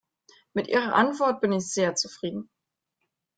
Mit Ihrer Antwort bin ich sehr zufrieden.